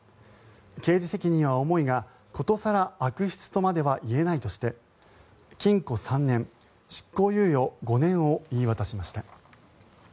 刑事責任は重いが殊更悪質とまではいえないとして禁固３年、執行猶予５年を言い渡しました。